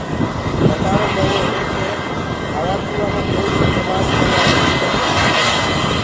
ٻتآرو گوو هي ڪي کآوآ پيوآ مي ڪوئيٚ بيٚ ڦرمآش ڪونآ چلسيٚ